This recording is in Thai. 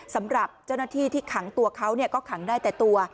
สำหรับเจ้าหน้าที่ที่ขังตัวเขาก็ขังได้แต่ตัว